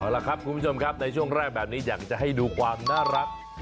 เอาล่ะครับคุณผู้ชมครับในช่วงแรกแบบนี้อยากจะให้ดูความน่ารัก